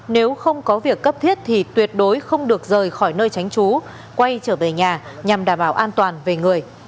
nếu không có việc cấp thiết thì tuyệt đối không được rời khỏi nơi tránh trú quay trở về nhà nhằm đảm bảo an toàn về người